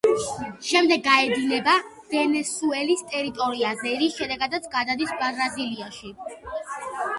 შემდეგ გაედინება ვენესუელის ტერიტორიაზე, რის შემდეგაც გადადის ბრაზილიაში.